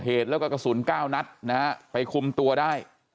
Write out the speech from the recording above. เหตุแล้วก็กระสุน๙นัดนะฮะไปคุมตัวได้